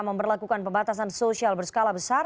memperlakukan pembatasan sosial berskala besar